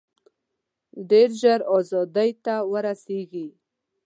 ډېر ژر آزادۍ ته ورسیږي.